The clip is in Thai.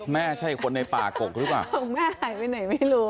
แม่ใช่คนในป่ากกหรือเปล่าของแม่หายไปไหนไม่รู้